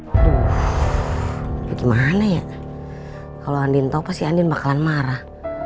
aduh gimana ya kalau andin tau pasti andin bakalan marah